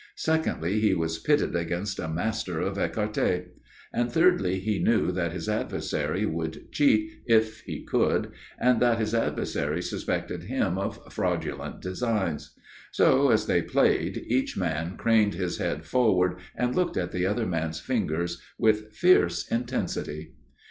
Secondly he was pitted against a master of ecarté. And thirdly he knew that his adversary would cheat if he could and that his adversary suspected him of fraudulent designs. So as they played, each man craned his head forward and looked at the other man's fingers with fierce intensity.